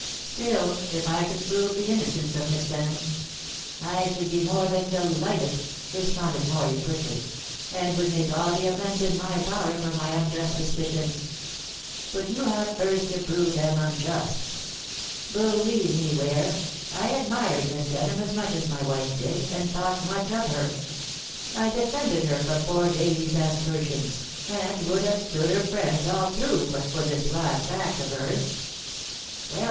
Still, if I could prove the innocence of Miss Denham " "I should be more than delighted," responded Morley quickly, "and would make all the amends in my power for my unjust suspicions. But you have first to prove them unjust. Believe me, Ware, I admired Miss Denham as much as my wife did, and thought much of her. I defended her from poor Daisy's aspersions, and would have stood her friend all through but for this last act of hers. Well!